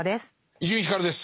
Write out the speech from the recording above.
伊集院光です。